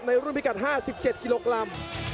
รุ่นพิกัด๕๗กิโลกรัม